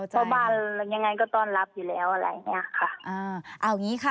เพราะบ้านยังไงก็ต้อนรับอยู่แล้วอะไรแบบนี้ค่ะ